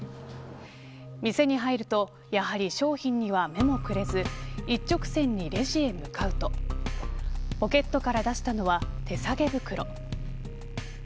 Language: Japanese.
店に入るとやはり商品には目もくれず一直線にレジへ向かうとポケットから出したのは手提げ袋。